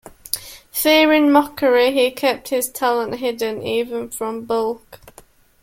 Fearing mockery, he kept his talent hidden even from Bulk.